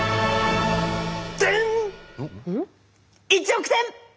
１億点！